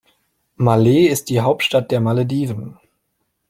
Malé ist die Hauptstadt der Malediven.